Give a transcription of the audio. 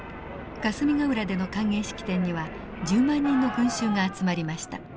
霞ヶ浦での歓迎式典には１０万人の群衆が集まりました。